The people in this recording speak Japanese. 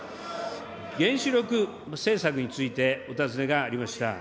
原子力政策についてお尋ねがありました。